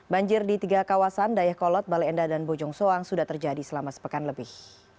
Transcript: banjir di tiga kawasan dayakolot bale endah dan bojong soang sudah terjadi selama sepekan lebih